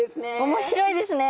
面白いですね。